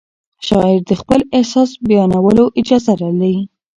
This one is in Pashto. شاعر د خپل احساس بیانولو اجازه لري.